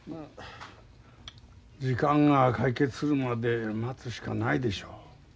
時間が解決するまで待つしかないでしょう。